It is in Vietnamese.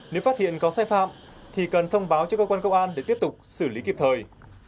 nếu phát hiện có sai phạm thì cần thông báo cho cơ quan công an để tiếp tục xử lý kịp thời